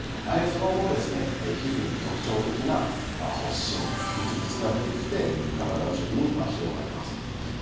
その後、皮膚に特徴的な発疹ぶつぶつが出てきて体中に広がりますと。